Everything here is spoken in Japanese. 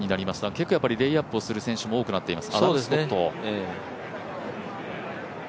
結構レイアップをする選手も増えています。